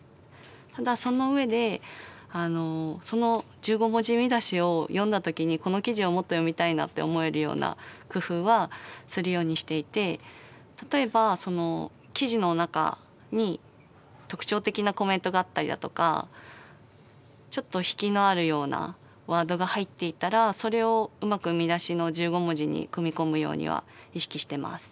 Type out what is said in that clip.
ただその上でその１５文字見出しを読んだ時にこの記事をもっと読みたいなって思えるような工夫はするようにしていて例えば記事の中に特徴的なコメントがあったりだとかちょっとひきのあるようなワードが入っていたらそれをうまく見出しの１５文字に組み込むようには意識してます。